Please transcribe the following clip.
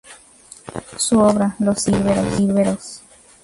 Su obra: ""Los Celtíberos.